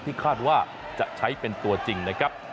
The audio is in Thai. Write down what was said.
คาดว่าจะใช้เป็นตัวจริงนะครับ